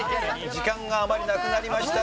時間があまりなくなりました。